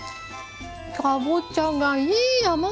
かぼちゃがいい甘さ。